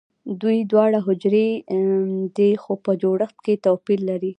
دوی دواړه حجرې دي خو په جوړښت کې توپیر لري